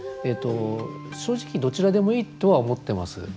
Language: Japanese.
正直どちらでもいいとは思ってます。